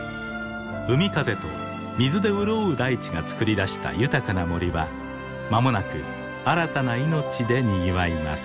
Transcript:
海風と水で潤う大地がつくり出した豊かな森は間もなく新たな命でにぎわいます。